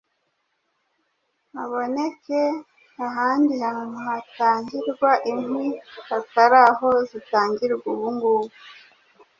haboneke ahandi hantu hatangirwa inkwi hatari aho zitangirwa ubu ngubu.